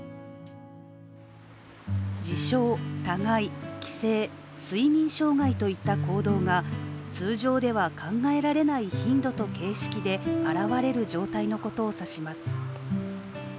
自傷、他害、奇声、睡眠障害といった行動が通常では考えられない頻度と形式で現れる状態のことを指します。